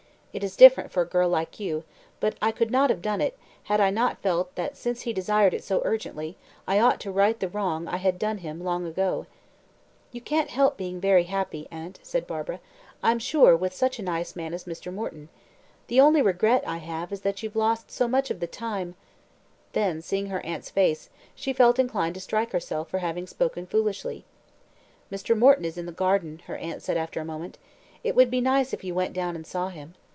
It is different for a girl like you, but I could not have done it, had I not felt that since he desired it so urgently, I ought to right the wrong I had done him long ago." "You can't help being very happy, aunt," said Barbara, "I'm sure, with such a nice man as Mr. Morton. The only regret I have is that you've lost so much of the time " Then, seeing her aunt's face, she felt inclined to strike herself for having spoken foolishly. "Mr. Morton is in the garden," her aunt said after a moment. "It would be nice if you went down and saw him."